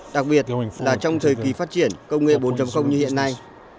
đặc biệt là trong thời kỳ phát triển công nghệ bốn như hiện nay